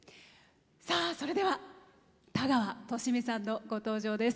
それでは田川寿美さんのご登場です。